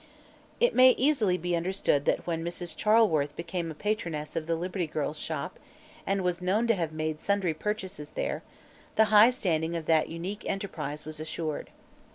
It may easily be understood that when Mrs. Charleworth became a patroness of the Liberty Girls' Shop, and was known to have made sundry purchases there, the high standing of that unique enterprise was assured.